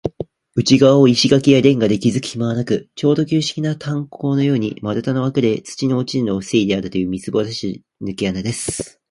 内がわを石がきやレンガできずくひまはなく、ちょうど旧式な炭坑のように、丸太のわくで、土の落ちるのをふせいであるという、みすぼらしいぬけ穴です。